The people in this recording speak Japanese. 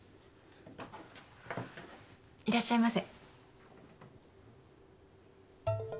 いらっしゃいませ。